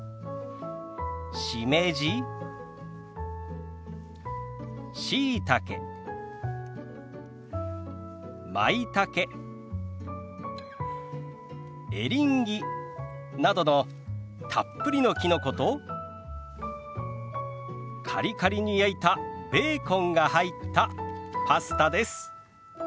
しめじしいたけまいたけエリンギなどのたっぷりのきのことカリカリに焼いたベーコンが入ったパスタです。